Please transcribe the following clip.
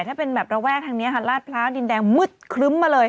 ถ้าเป็นแบบระแวกทางนี้ค่ะลาดพร้าวดินแดงมืดครึ้มมาเลย